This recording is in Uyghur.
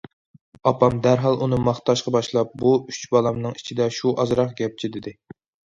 ئاپام دەرھال ئۇنى ماختاشقا باشلاپ: بۇ ئۈچ بالامنىڭ ئىچىدە شۇ ئازراق گەپچى دېدى.